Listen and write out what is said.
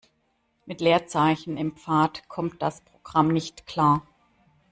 Mit Leerzeichen im Pfad kommt das Programm nicht klar.